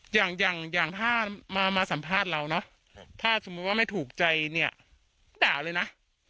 อย่างอย่างถ้ามาสัมภาษณ์เราเนอะถ้าสมมุติว่าไม่ถูกใจเนี่ยด่าเลยนะ